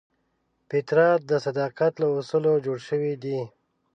فطرت د صداقت له اصولو جوړ شوی دی.